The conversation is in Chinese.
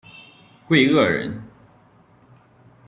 桂萼人。